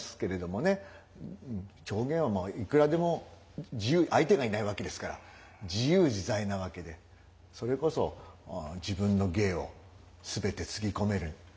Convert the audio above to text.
表現はまあいくらでも相手がいないわけですから自由自在なわけでそれこそ自分の芸を全てつぎ込めるんじゃないでしょうかね。